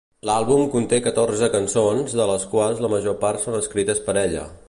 L'àlbum conté catorze cançons, de les quals la major part són escrites per ella.